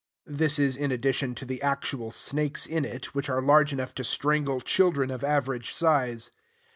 (This is in addition to the actual snakes in it, which are large enough to strangle children of average size.)